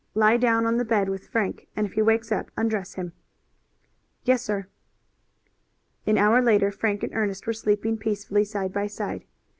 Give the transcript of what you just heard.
Lie down on the bed with Frank and if he wakes up undress him." "Yes, sir." An hour later Frank and Ernest were sleeping peacefully side by side.